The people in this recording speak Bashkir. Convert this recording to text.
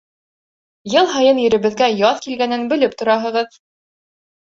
Йыл һайын еребеҙгә Яҙ килгәнен белеп тораһығыҙ.